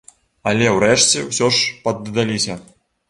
Але ўрэшце ўсё ж паддаліся.